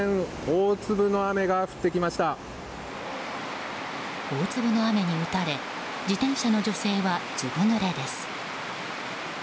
大粒の雨に打たれ自転車の女性は、ずぶぬれです。